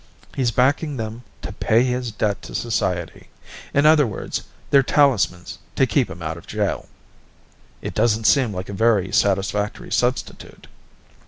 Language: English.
He's backing them to 'pay his debt to society' in other words, they're talismans to keep him out of jail." "It doesn't seem like a very satisfactory substitute."